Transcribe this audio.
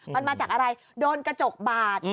มันมาจากอะไรโดนกระจกบาด